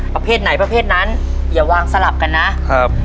ประเภทไหนประเภทนั้นอย่าวางสลับกันนะครับ